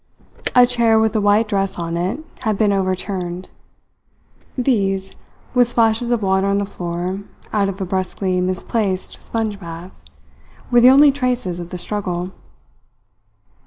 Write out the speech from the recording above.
A chair with a white dress on it had been overturned. These, with splashes of water on the floor out of a brusquely misplaced sponge bath, were the only traces of the struggle.